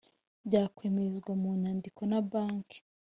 byakwemezwa mu nyandiko na Banki